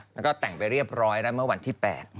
แล้วก็แต่งไปเรียบร้อยแล้วเมื่อวันที่๘